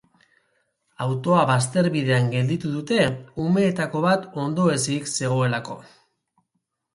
Autoa bazterbidean gelditu dute, umeetako bat ondoezik zegoelako.